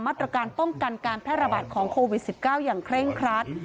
มาตรการป้องกันการแพร่ระบาดของโควิด๑๙อย่างเคร่งครัด